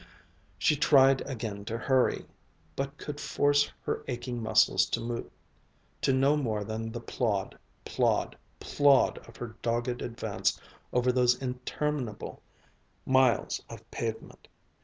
She tried again to hurry, but could force her aching muscles to no more than the plod, plod, plod of her dogged advance over those interminable miles of pavement.